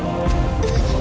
tuntun saja jangan